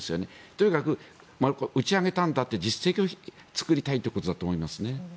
とにかく打ち上げたんだという実績を作りたいんだと思います。